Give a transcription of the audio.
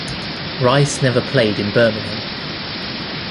Rice never played in Birmingham.